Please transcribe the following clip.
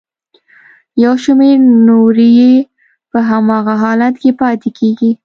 یو شمېر نورې یې په هماغه حالت کې پاتې کیږي.